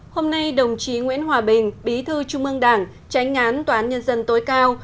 hôm nay đồng chí nguyễn hòa bình bí thư trung ương đảng tránh ngán toán nhân dân tối cao